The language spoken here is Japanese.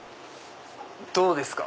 どうですか？